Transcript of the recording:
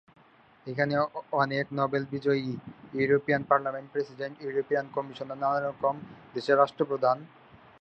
এখানে অনেক নোবেল বিজয়ী, ইউরোপিয়ান পার্লামেন্টের প্রেসিডেন্ট, ইউরোপিয়ান কমিশনার, নানারকম দেশের রাষ্ট্রপ্রধান, গুরুত্বপূর্ণ ধর্মীয় নেতা, বৈজ্ঞানিক এবং নভোচারী পড়াশোনা করেছেন।